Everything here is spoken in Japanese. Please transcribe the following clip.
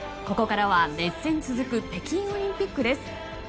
ここからは、熱戦続く北京オリンピックです。